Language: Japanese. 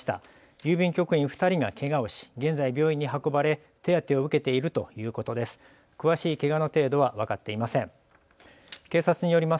郵便局員２人がけがをし現在、病院に運ばれ手当てを受けているということです。